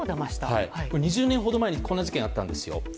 ２０年ほど前にこんな事件があったんですよ。